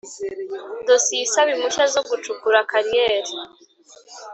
Dosiye isaba impushya zo gucukura kariyeri